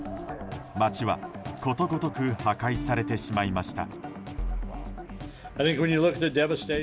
街はことごとく破壊されてしまいました。